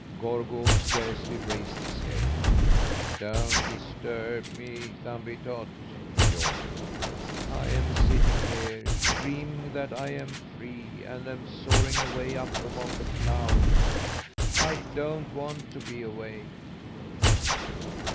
Gorgo scarcely raised his head. "Don't disturb me, Thumbietot," he yawned. "I'm sitting here dreaming that I am free, and am soaring away up among the clouds. I don't want to be awake."